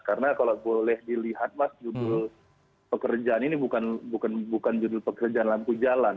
karena kalau boleh dilihat mas judul pekerjaan ini bukan judul pekerjaan lampu jalan